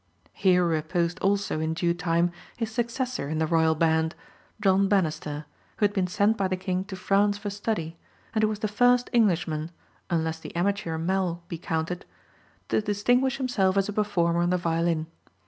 Here reposed also in due time his successor in the royal band, John Banister, who had been sent by the king to France for study, and who was the first Englishman, unless the amateur Mell be counted, to distinguish himself as a performer on the violin.